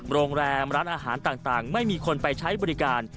โรงแรมร้านอาหารต่างไม่มีคนไปใช้บริการ